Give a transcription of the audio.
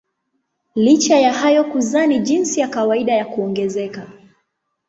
Licha ya hayo kuzaa ni jinsi ya kawaida ya kuongezeka.